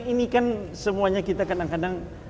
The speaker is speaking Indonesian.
ini kan semuanya kita kadang kadang